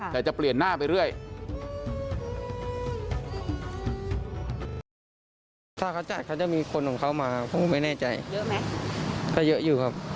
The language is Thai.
แต่จะเปลี่ยนหน้าไปเรื่อย